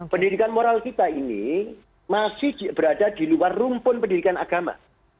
pendidikan moral kita ini masih berada di luar rumpun pendidikan agama